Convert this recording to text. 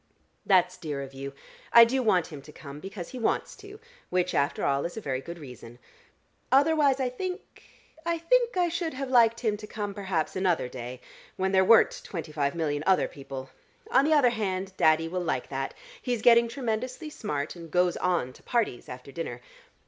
"That's dear of you. I do want him to come because he wants to, which after all is a very good reason. Otherwise I think I think I should have liked him to come perhaps another day, when there weren't twenty five million other people. On the other hand Daddy will like that: he's getting tremendously smart, and 'goes on' to parties after dinner.